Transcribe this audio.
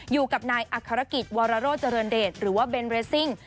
อยู่กับนายอัครกิจวรโรเจริญเดชหรือว่าเบนเรซิ่ง